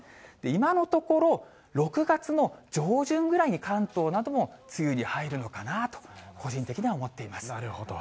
今のところ、６月の上旬ぐらいに関東なども梅雨に入るのかなと個人的には思っなるほど。